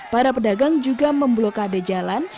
para pedagang juga memblokade jalan